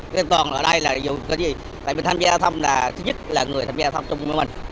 cái an toàn ở đây là dù cái gì tại mình tham gia thăm là thứ nhất là người tham gia thăm chung với mình